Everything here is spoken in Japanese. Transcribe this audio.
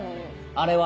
あれは。